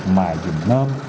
mà dùng nôm